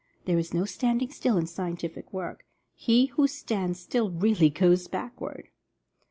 There is no standing still in scientific work — he who stands still really goes backward.